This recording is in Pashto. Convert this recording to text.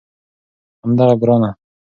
همدغه ګرانه